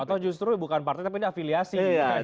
atau justru bukan partai tapi ini afiliasi